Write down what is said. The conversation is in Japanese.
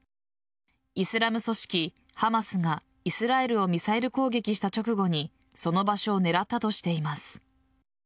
イスラム組織・ハマスがイスラエルをミサイル攻撃した直後にその場所を狙ったとしています。